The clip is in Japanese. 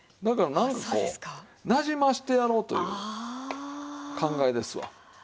だからなんかこうなじませてやろうという考えですわ。